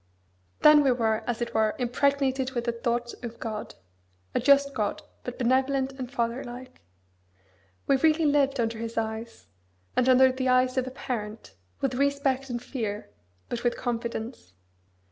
Then we were, as it were, impregnated with the thought of God a just God, but benevolent and fatherlike. We really lived under His eyes, as under the eyes of a parent, with respect and fear, but with confidence.